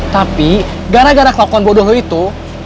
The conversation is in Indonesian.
tapi gara gara kelakuan bodoh lo itu